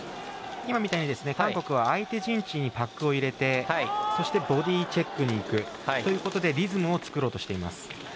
今みたいに韓国は相手陣地にパックを入れてそして、ボディーチェックにいくということでリズムを作ろうとしています。